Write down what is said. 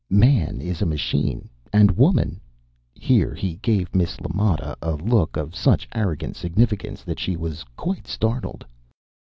"'_Man is a machine, and woman _'" Here he gave Miss LaMotta a look of such arrogant significance that she was quite startled.